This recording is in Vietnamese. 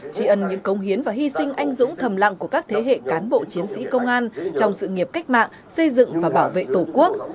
chỉ ẩn những công hiến và hy sinh anh dũng thầm lặng của các thế hệ cán bộ chiến sĩ công an trong sự nghiệp cách mạng xây dựng và bảo vệ tổ quốc